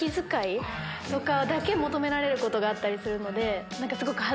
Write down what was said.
求められることがあったりするので。